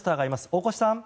大越さん。